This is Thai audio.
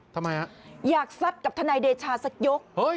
ทำไมฮะอยากซัดกับทนายเดชาสักยก